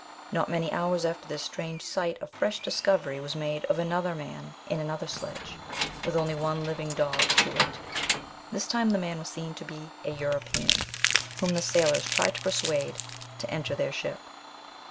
Not many hours after this strange sight a fresh discovery was made of another man in another sledge, with only one living dog to it : this time the man was seen to be a European, whom the sailors tried to persuade to enter their ship.